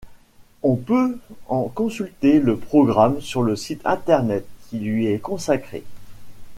On peut en consulter le programme sur le site internet qui lui est consacré.